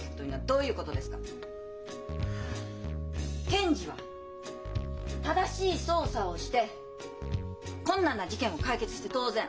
検事は正しい捜査をして困難な事件を解決して当然。